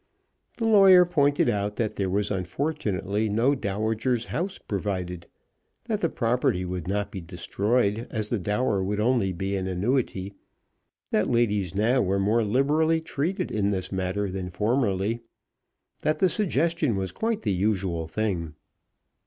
The lawyer pointed out that there was unfortunately no dowager's house provided; that the property would not be destroyed as the dower would only be an annuity; that ladies now were more liberally treated in this matter than formerly; and that the suggestion was quite the usual thing.